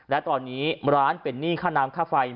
และตอนนี้ร้านเป็นหนี้ค่าน้ำค่าไฟ